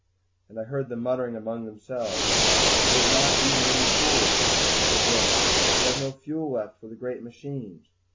And I heard them muttering among themselves, "We have not even any tools!", and again, "We have no fuel left for the great machines!"